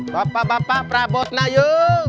bapak bapak perabot na yuk